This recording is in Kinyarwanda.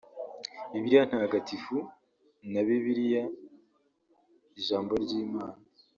Bibiliya Ntagatifu na Bibiliya Ijambo ry’Imana